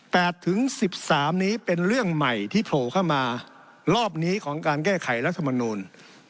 ถึงสิบสามนี้เป็นเรื่องใหม่ที่โผล่เข้ามารอบนี้ของการแก้ไขรัฐมนูล